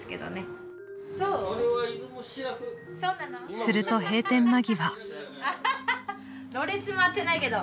［すると閉店間際］